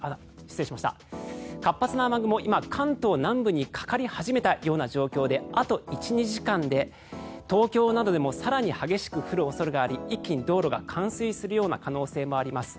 活発な雨雲、今、関東南部にかかり始めたような状況であと１２時間で東京などでも更に激しく降る恐れがあり一気に道路が冠水するような可能性もあります。